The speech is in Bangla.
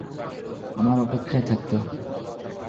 আমার অপেক্ষায় থাকতে।